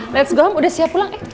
let's go home udah siap pulang